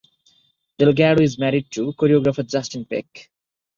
Delgado is married to choreographer Justin Peck.